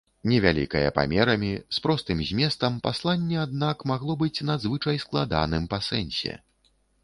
Невялікае памерамі, з простым зместам, пасланне, аднак, магло быць надзвычай складаным па сэнсе.